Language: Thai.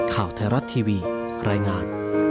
โปรดติดตามตอนนี้